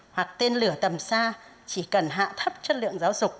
hoặc tên lửa tầm xa chỉ cần hạ thấp chất lượng giáo dục